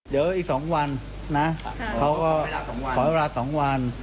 เดี๋ยวอีก๒วันนะเขาก็ขอเวลา๒วัน